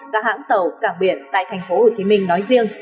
các hãng tàu cảng biển tại tp hcm nói riêng